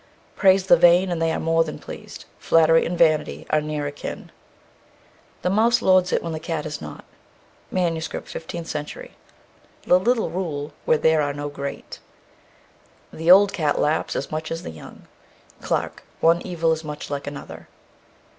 _ Praise the vain and they are more than pleased. Flattery and vanity are near akin. The mouse lords it where the cat is not. MS., 15th century. The little rule, where there are no great. The old cat laps as much as the young. CLARKE. One evil is much like another.